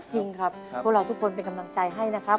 จริงครับพวกเราทุกคนเป็นกำลังใจให้นะครับ